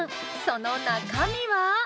その中身は？